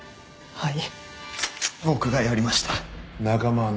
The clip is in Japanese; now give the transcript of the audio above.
はい。